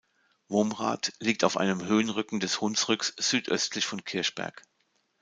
Womrath liegt auf einem Höhenrücken des Hunsrücks südöstlich von Kirchberg.